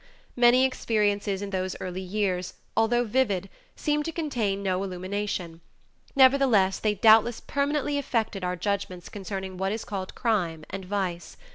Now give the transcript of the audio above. Many experiences in those early years, although vivid, seemed to contain no illumination; nevertheless they doubtless permanently affected our judgments concerning what is called crime and vice.